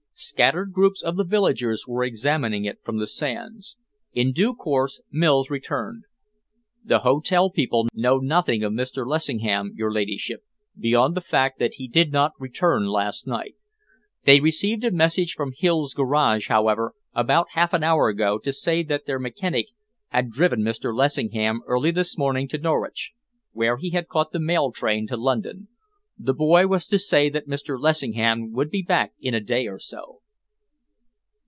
Scattered groups of the villagers were examining it from the sands. In due course Mills returned. "The hotel people know nothing of Mr. Lessingham, your ladyship, beyond the fact that he did not return last night. They received a message from Hill's Garage, however, about half an hour ago, to say that their mechanic had driven Mr. Lessingham early this morning to Norwich, where he had caught the mail train to London, The boy was to say that Mr. Lessingham would be back in a day or so."